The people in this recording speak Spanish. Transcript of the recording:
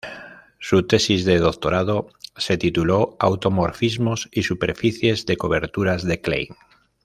Su tesis de doctorado se tituló "Automorfismos y superficies de coberturas de Klein.